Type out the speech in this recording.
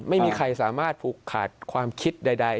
ไม่มีใครสามารถผูกขาดความคิดใด